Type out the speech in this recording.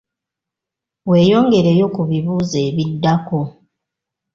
Weeyongereyo ku bibuuzo ebiddako.